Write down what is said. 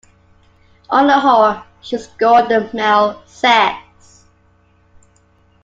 On the whole, she scorned the male sex.